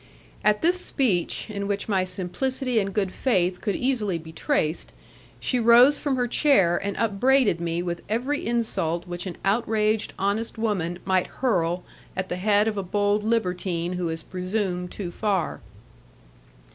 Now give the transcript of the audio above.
At this speech, in which my simplicity and good faith could easily be traced, she rose from her chair, and upbraided me with every insult which an outraged honest woman might hurl at the head of a bold libertine who has presumed too far.